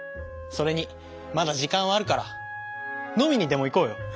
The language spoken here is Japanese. それにまだ時間はあるから飲みにでも行こうよ。